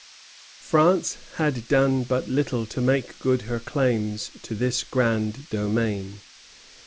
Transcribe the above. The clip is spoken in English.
France had done but little to make good her claims to this grand domain.